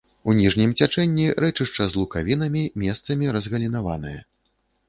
У ніжнім цячэнні рэчышча з лукавінамі, месцамі разгалінаванае.